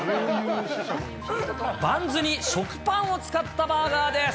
バンズに食パンを使ったバーガーです。